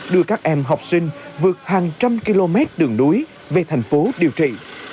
đưa các em học sinh vượt hàng trăm km đường núi về thành phố điều trị